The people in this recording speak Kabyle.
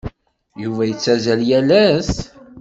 Yuba yettazzal yal ass?